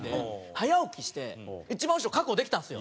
早起きして一番後ろ確保できたんですよ。